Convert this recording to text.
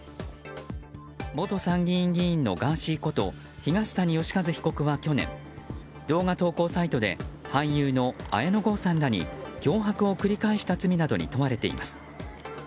元参議院議員のガーシーこと東谷義和被告は去年、動画投稿サイトで俳優の綾野剛さんらに脅迫を繰り返した罪などに問われています。